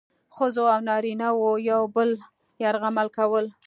ښځو او نارینه وو یو بل یرغمل کول.